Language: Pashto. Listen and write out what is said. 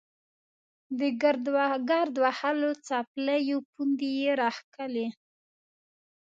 د ګرد وهلو څپلیو پوندې یې راښکلې.